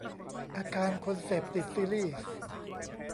อาการคนเสพติดซีรีส์